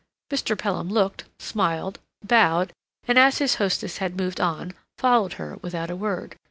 Mr. Pelham looked, smiled, bowed, and, as his hostess had moved on, followed her without a word.